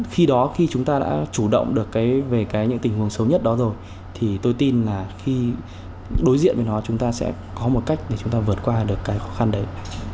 khi đó khi chúng ta đã chủ động được về những tình huống xấu nhất đó rồi thì tôi tin là khi đối diện với nó chúng ta sẽ có một cách để chúng ta vượt qua được cái khó khăn đấy